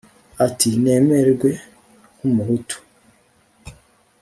ati nemerwe nk'umuhutu